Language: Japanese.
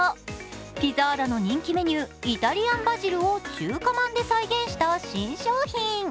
ピザーラの人気メニュー、イタリアンバジルを中華まんで再現した新商品。